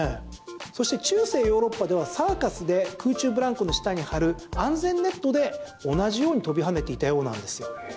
そして、中世ヨーロッパではサーカスで空中ブランコの下に張る安全ネットで同じように跳びはねていたようなんですよ。